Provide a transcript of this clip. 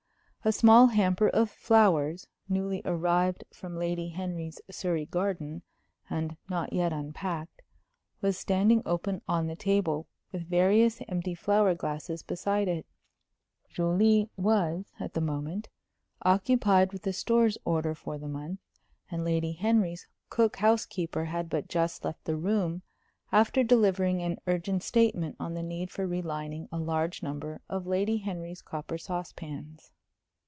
A small hamper of flowers, newly arrived from Lady Henry's Surrey garden, and not yet unpacked, was standing open on the table, with various empty flower glasses beside it. Julie was, at the moment, occupied with the "Stores order" for the month, and Lady Henry's cook housekeeper had but just left the room after delivering an urgent statement on the need for "relining" a large number of Lady Henry's copper saucepans.